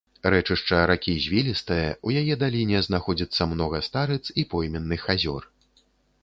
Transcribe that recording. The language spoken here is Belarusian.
Рэчышча ракі звілістае, у яе даліне знаходзіцца многа старыц і пойменных азёр.